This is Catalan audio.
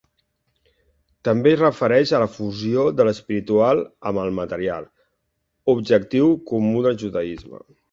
També es refereix a la fusió de l'espiritual amb el material, objectiu comú del judaisme.